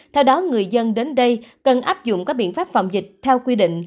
theo đó người dân đến đây cần áp dụng các biện pháp phòng dịch theo quy định